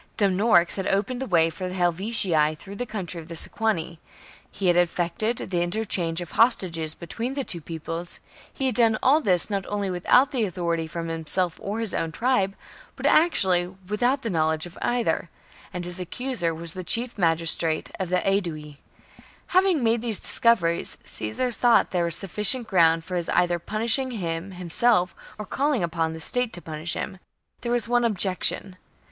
Dumnorix had opened the way Sorix^To for the Helvetii through the country of the punlshmenr Scquani ; he had effected the interchange of o t e a ter, j^^g^^ggg bctween the two peoples ; he had done all this not only without authority from himself or his own tribe, but actually without the know ledge of either ; and his accuser was the chief I HELVETII AND ARIOVISTUS 17 magistrate of the Aedui. Having made these 58 b.c. discoveries, Caesar thought that there was suffi cient ground for his either punishing him himself or calling upon the state to punish him. There vi^as one objection.